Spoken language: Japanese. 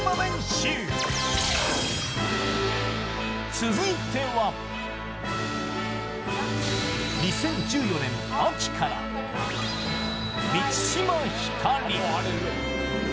続いては２０１４年秋から満島ひかり。